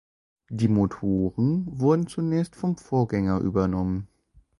Die Motoren wurden zunächst vom Vorgänger übernommen.